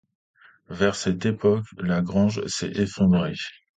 Vers cette époque, la grange s'est effondrée.